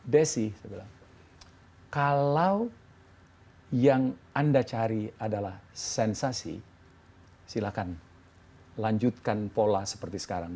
desi kalau yang anda cari adalah sensasi silahkan lanjutkan pola seperti sekarang